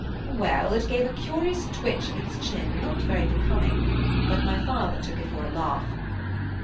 "Well, it gave a curious twitch of its chin not very becoming, but my father took it for a laugh.